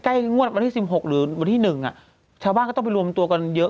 งวดวันที่๑๖หรือวันที่๑อ่ะชาวบ้านก็ต้องไปรวมตัวกันเยอะ